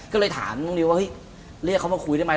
ก็เลยถามน้องนิวว่าเฮ้ยเรียกเขามาคุยได้ไหม